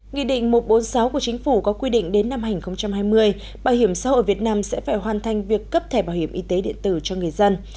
nghị định một trăm bốn mươi sáu của chính phủ có quy định đến năm hai nghìn hai mươi bảo hiểm xã hội việt nam sẽ phải hoàn thành việc cấp thẻ bảo hiểm y tế điện tử cho người dân